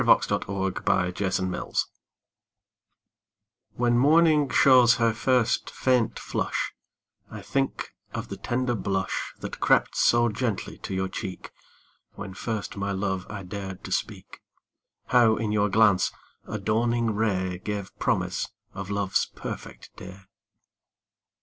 MORNING, NOON AND NIGHT When morning shows her first faint flush, I think of the tender blush That crept so gently to your cheek When first my love I dared to speak; How, in your glance, a dawning ray Gave promise of love's perfect day.